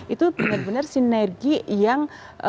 itu benar benar sinergi yang